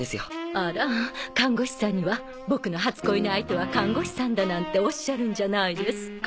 あら看護師さんには「ボクの初恋の相手は看護師さんだ」なんておっしゃるんじゃないですか？